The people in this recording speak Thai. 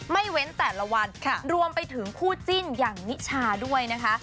เว้นแต่ละวันรวมไปถึงคู่จิ้นอย่างนิชาด้วยนะคะ